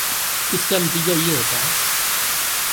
اس کا نتیجہ یہ ہوتا ہے